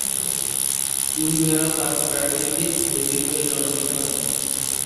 উইমেরা তার প্রাকৃতিক ঐতিহ্যের জন্য বিখ্যাত।